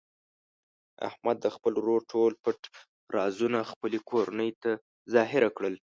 احمد د خپل ورور ټول پټ رازونه خپلې کورنۍ ته ظاهره کړل.